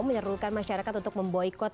menyerulkan masyarakat untuk memboykot